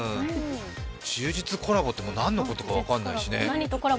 呪術コラボって何のことか分からないしね。